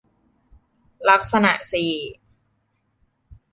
ลักษณะสี่